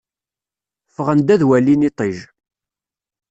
Ffɣen-d ad walin iṭij.